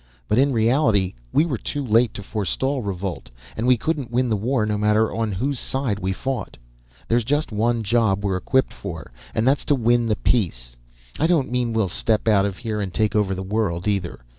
But in reality we were too late to forestall revolt, and we couldn't win the war no matter on whose side we fought. There's just one job we're equipped for and that's to win the peace. I don't mean we'll step out of here and take over the world, either.